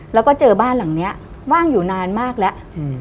แล้วก็เจอบ้านหลังนี้ว่างอยู่นานมากแล้ว